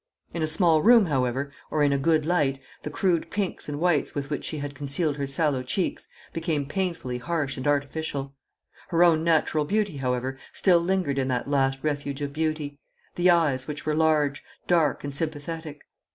In a small room, however, or in a good light, the crude pinks and whites with which she had concealed her sallow cheeks became painfully harsh and artificial. Her own natural beauty, however, still lingered in that last refuge of beauty the eyes, which were large, dark, and sympathetic.